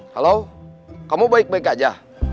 halo kamu baik baik aja